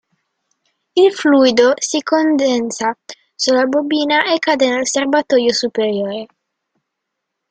Il fluido si condensa sulla bobina e cade nel serbatoio superiore.